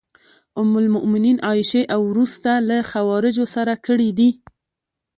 ام المومنین عایشې او وروسته له خوارجو سره کړي دي.